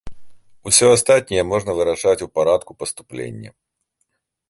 Усё астатняе можна вырашаць у парадку паступлення.